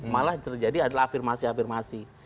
malah yang terjadi adalah afirmasi afirmasi